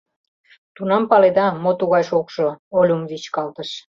— Тунам паледа, мо тугай шокшо, — Олюм вӱчкалтыш.